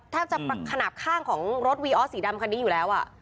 แทบจะขนาดข้างของรถวีออสสีดำคันนี้อยู่แล้ว